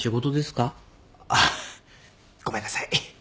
あっごめんなさい。